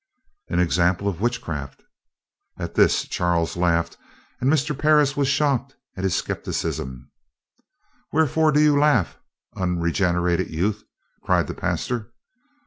"An example of witchcraft." At this Charles laughed, and Mr. Parris was shocked at his scepticism. "Wherefore do you laugh, unregenerated youth?" cried the pastor.